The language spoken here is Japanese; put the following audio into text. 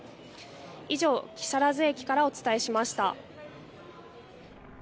以上、木更津駅からお伝えしました。